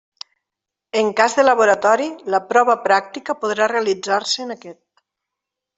En cas de laboratori, la prova pràctica podrà realitzar-se en aquest.